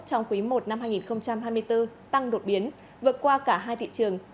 trong quý i năm hai nghìn hai mươi bốn tăng đột biến vượt qua cả hai thị trường